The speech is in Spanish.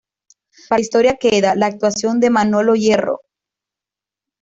Para la historia queda, la actuación de Manolo Hierro.